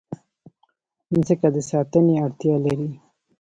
مځکه د ساتنې اړتیا لري.